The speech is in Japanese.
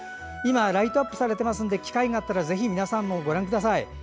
今はライトアップされていますので機会があったらぜひ皆さんもご覧ください。